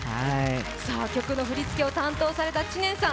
曲の振り付けを担当された知念さん